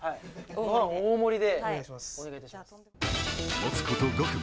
待つこと５分。